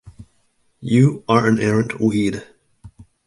You are an errant weed.